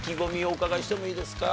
お伺いしてもいいですか？